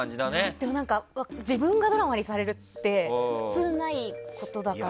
でも自分がドラマにされるって普通ないことだから。